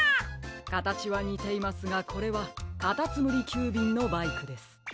かたちはにていますがこれはかたつむりきゅうびんのバイクです。